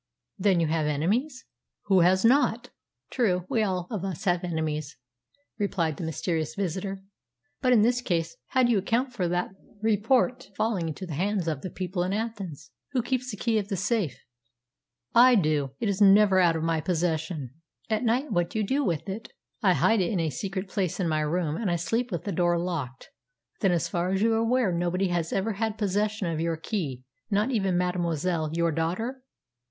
"Then you have enemies?" "Who has not?" "True. We all of us have enemies," replied the mysterious visitor. "But in this case, how do you account for that report falling into the hands of the people in Athens? Who keeps the key of the safe?" "I do. It is never out of my possession." "At night what do you do with it?" "I hide it in a secret place in my room, and I sleep with the door locked." "Then, as far as you are aware, nobody has ever had possession of your key not even mademoiselle your daughter?"